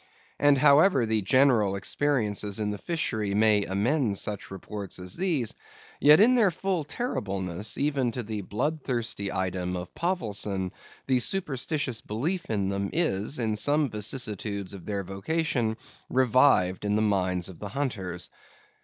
And however the general experiences in the fishery may amend such reports as these; yet in their full terribleness, even to the bloodthirsty item of Povelson, the superstitious belief in them is, in some vicissitudes of their vocation, revived in the minds of the hunters.